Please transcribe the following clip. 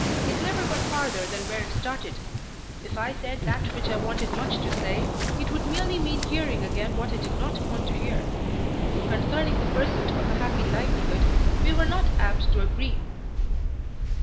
It never got farther than where it started. If I said that which I wanted much to say, it would merely mean hearing again what I did not want to hear. Concerning the pursuit of a happy livelihood we were not apt to agree.